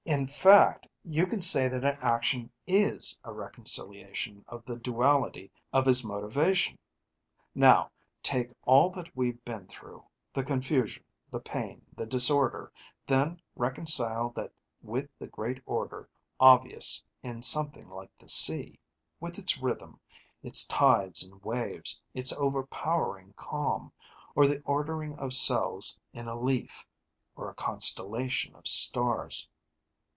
In fact, you can say that an action is a reconciliation of the duality of his motivation. Now, take all that we've been through, the confusion, the pain, the disorder; then reconcile that with the great order obvious in something like the sea, with its rhythm, its tides and waves, its overpowering calm, or the ordering of cells in a leaf, or a constellation of stars.